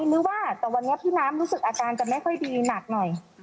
นึกว่าแต่วันนี้พี่น้ำรู้สึกอาการจะไม่ค่อยดีหนักหน่อย